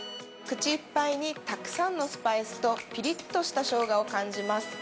口いっぱいに、たくさんのスパイスとぴりっとしたショウガを感じます。